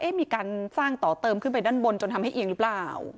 มีการสร้างต่อเติมขึ้นไปด้านบนจนทำให้เอียงหรือเปล่า